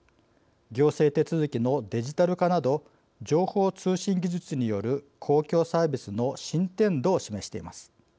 行政手続きのデジタル化など情報通信技術による公共サービスの進展度を示しています。